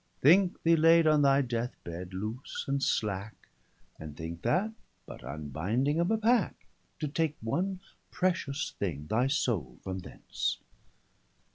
Thinke thee laid on thy death bed, loose and slacke; And thinke that, but unbinding of a packe, To take one precious thing, thy soule from thence.